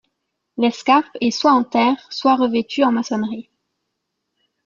L'escarpe est soit en terre, soit revêtue en maçonnerie.